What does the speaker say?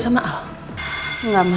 kamu tidak ikut dengan al